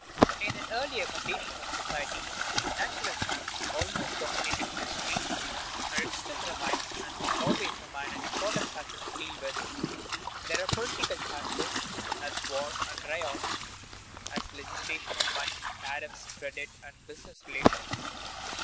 In an earlier condition of society natural chance almost dominated industry, and it still remains and must always remain an important factor to deal with. There are political chances, as war and riot; as legislation on money, tariffs, credit, and business relations.